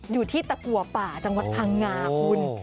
อยู่ที่ตะกัวป่าจังหวัดพังงาคุณ